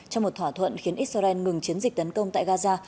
trong một thỏa thuận khiến israel ngừng chiến dịch tấn công tại gaza